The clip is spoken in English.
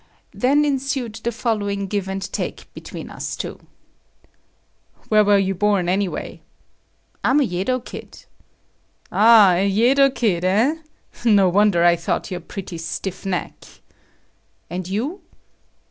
Then ensued the following give and take between us two; "Where were you born anyway?" "I'm a Yedo kid." "Ah, a Yedo kid, eh? No wonder I thought you a pretty stiff neck." "And you?"